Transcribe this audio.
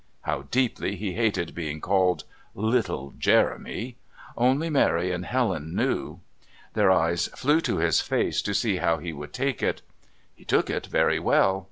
How deeply he hated being called "little Jeremy" only Mary and Helen knew. Their eyes flew to his face to see how he would take it. He took it very well.